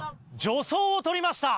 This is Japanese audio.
助走を取りました。